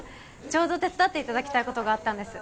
ちょうど手伝っていただきたいことがあったんです